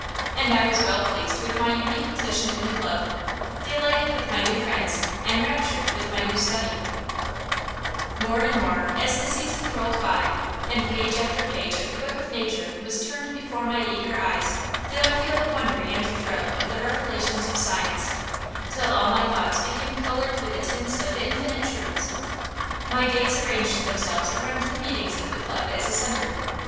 And I was well pleased with my unique position in the club, delighted with my new friends, enraptured with my new study. [Illustration: THE NATURAL HISTORY CLUB HAD FREQUENT FIELD EXCURSIONS] More and more, as the seasons rolled by, and page after page of the book of nature was turned before my eager eyes, did I feel the wonder and thrill of the revelations of science, till all my thoughts became colored with the tints of infinite truths. My days arranged themselves around the meetings of the club as a centre.